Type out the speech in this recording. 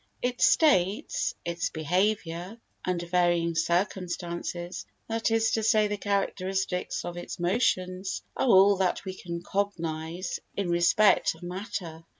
Its states, its behaviour under varying circumstances, that is to say the characteristics of its motions, are all that we can cognise in respect of matter.